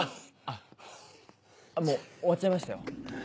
もう終わっちゃいましたよ。